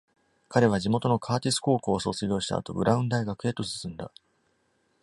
彼は地元のカーティス高校を卒業した後、ブラウン大学へと進んだ。